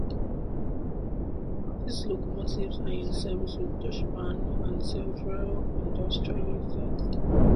These locomotives are in service with Deutsche Bahn, and several industrial users.